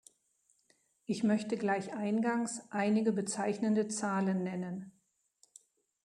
Ich möchte gleich eingangs einige bezeichnende Zahlen nennen.